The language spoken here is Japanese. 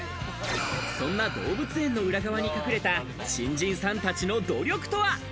そんな動物園の裏側に隠れた新人さんたちの努力とは？